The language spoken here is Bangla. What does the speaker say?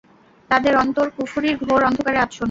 তাদের অন্তর কুফুরির ঘোর অন্ধকারে আচ্ছন্ন।